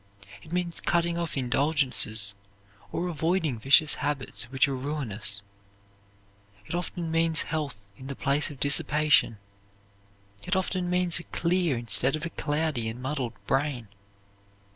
It means cutting off indulgences or avoiding vicious habits which are ruinous. It often means health in the place of dissipation. It often means a clear instead of a cloudy and muddled brain.